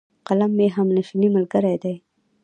قلم مي همېشنی ملګری دی.